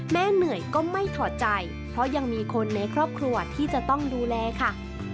เหนื่อยก็ไม่ถอดใจเพราะยังมีคนในครอบครัวที่จะต้องดูแลค่ะ